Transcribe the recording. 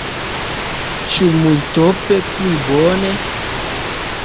Ĉu multope pli bone?